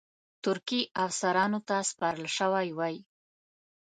ترکي افسرانو ته سپارل شوی وای.